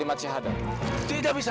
jika sekarang kalian sudah percaya